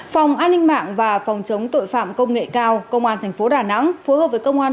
phòng an ninh mạng và phòng chống tội phạm công nghệ cao công an tp đà nẵng phối hợp với công an